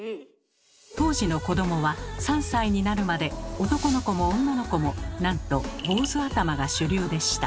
当時の子どもは３歳になるまで男の子も女の子もなんと坊主頭が主流でした。